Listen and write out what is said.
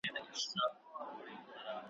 چي یو ځل مي وای لیدلی خپل منبر تر هسکه تللی ,